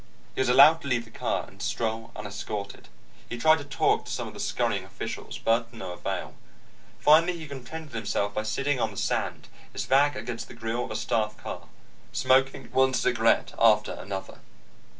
He was allowed to leave the car and stroll unescorted. He tried to talk to some of the scurrying officials, but to no avail. Finally, he contented himself by sitting on the sand, his back against the grill of a staff car, smoking one cigarette after another.